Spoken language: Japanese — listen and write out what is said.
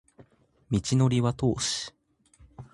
道程は遠し